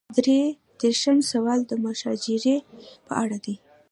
درې دېرشم سوال د مشاجرې په اړه دی.